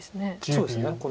そうですね。